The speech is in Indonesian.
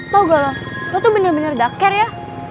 tau gak lo lo tuh bener bener daker ya